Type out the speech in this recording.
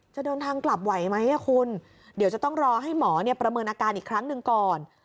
จะเดินทางกลับไหวไหมคุณเดี๋ยวจะต้องรอให้หมอประเมินอาการอีกครั้งหนึ่งก่อน